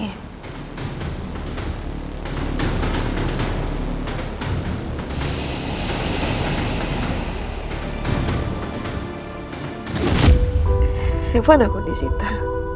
telepon aku disita